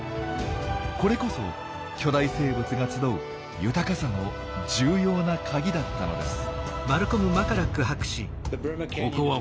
これこそ巨大生物が集う豊かさの重要なカギだったのです。